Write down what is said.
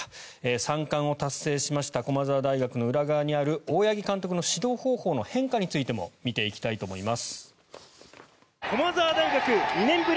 ３冠を達成しました駒澤大学の裏側にある大八木監督の指導方法の変化についても見ていきたいと思います。